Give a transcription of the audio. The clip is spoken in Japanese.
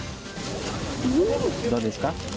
どうですか？